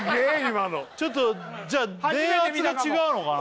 今のちょっとじゃあ電圧が違うのかな